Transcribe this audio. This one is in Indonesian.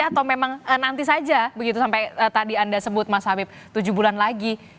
atau memang nanti saja begitu sampai tadi anda sebut mas habib tujuh bulan lagi